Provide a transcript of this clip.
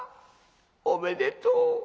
おめでとう。